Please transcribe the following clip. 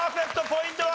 ポイントは？